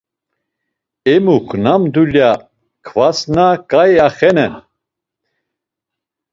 Emuk nam dulya qvasna k̆ai axvenen.